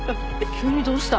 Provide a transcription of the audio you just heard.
急にどうした？